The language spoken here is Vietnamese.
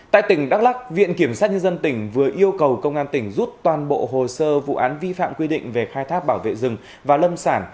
tại tỉnh đắk lắc viện kiểm sát nhân dân tỉnh vừa yêu cầu công an tỉnh rút toàn bộ hồ sơ vụ án vi phạm quy định về khai thác bảo vệ rừng và lâm sản